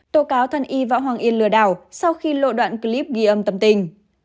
tố cáo thân y võ hoàng yên lừa đảo sau khi lộ đoạn clip ghi âm tâm tình